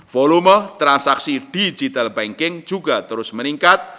volume transaksi digital banking juga terus meningkat